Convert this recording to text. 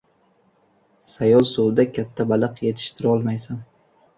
• Sayoz suvda katta baliq yetishtirolmaysan.